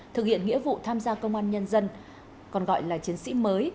thực hiện nghĩa vụ tham gia công an nhân dân còn gọi là chiến sĩ mới